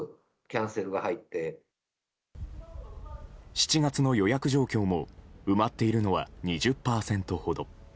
７月の予約状況も埋まっているのは２０％ほど。